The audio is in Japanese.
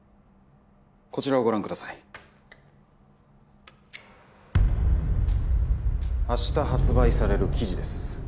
こちらをご覧ください明日発売される記事です